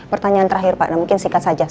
pertanyaan terakhir pak mungkin singkat saja